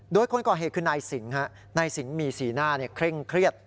โดยคนก่อเหตุคือนายสิงฮะนายสิงห์มีสีหน้าเคร่งเครียด